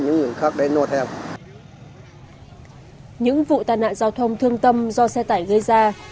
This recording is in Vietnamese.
những vụ tai nạn giao thông thương tâm do xe tải gây ra